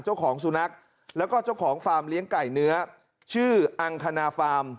เจ้าของสุนัขแล้วก็เจ้าของฟาร์มเลี้ยงไก่เนื้อชื่ออังคณาฟาร์ม